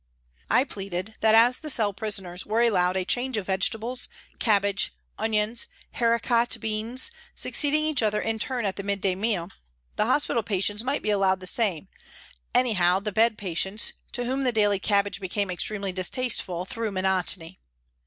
I pleaded that as the cell prisoners were allowed a change of vegetables, cabbage, onions, haricot beans, succeeding each other in turn at the midday meal, the hospital patients might be allowed the same, anyhow the bed patients, to whom the daily cabbage became extremely distasteful through monotony.